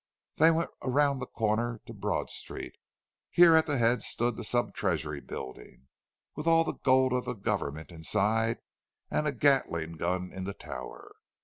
They went around the corner to Broad Street. Here at the head stood the Sub treasury building, with all the gold of the government inside, and a Gatling gun in the tower.